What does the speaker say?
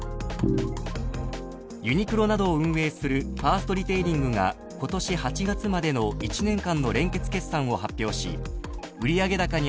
［ユニクロなどを運営するファーストリテイリングが今年８月までの１年間の連結決算を発表し売上高に当たる売上